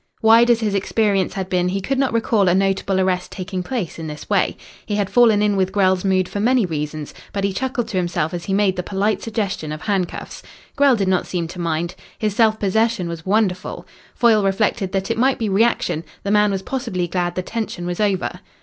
Wide as his experience had been he could not recall a notable arrest taking place in this way. He had fallen in with Grell's mood for many reasons, but he chuckled to himself as he made the polite suggestion of handcuffs. Grell did not seem to mind. His self possession was wonderful. Foyle reflected that it might be reaction the man was possibly glad the tension was over.